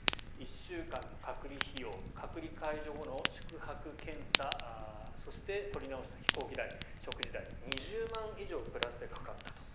１週間の隔離費用隔離解除後の宿泊、検査そして、取り直した飛行機代食事代２０万円以上プラス出かかったと。